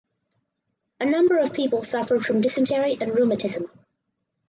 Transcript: A number of people suffered from dysentery and rheumatism.